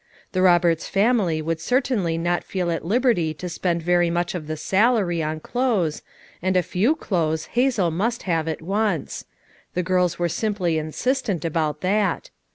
The Eoberts family would cer tainly not feel at liberty to spend very much of the " salary' J on clothes, and a few clothes Hazel must have at once; the girls were simply in sistent about that.